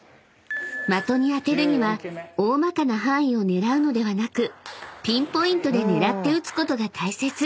［的に当てるには大まかな範囲を狙うのではなくピンポイントで狙って打つことが大切］